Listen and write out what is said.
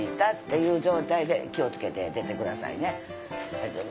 大丈夫？